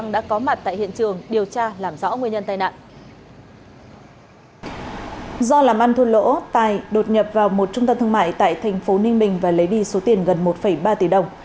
do làm ăn thu lỗ tài đột nhập vào một trung tâm thương mại tại tp ninh bình và lấy đi số tiền gần một ba tỷ đồng